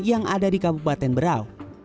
yang ada di kabupaten berau